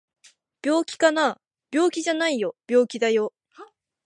病気かな？病気じゃないよ病気だよ